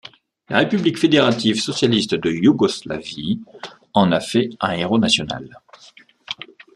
La République fédérative socialiste de Yougoslavie en a fait un héros national.